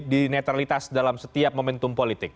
di netralitas dalam setiap masyarakat